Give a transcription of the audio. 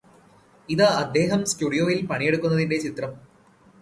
ഇതാ അദ്ദേഹം സ്റ്റുഡിയോയില് പണിയെടുക്കുന്നതിന്റെ ചിത്രം